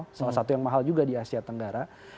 salah satu yang mahal juga di asia tenggara